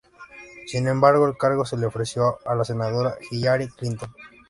Sin embargo, el cargo se le ofreció a la senadora Hillary Clinton.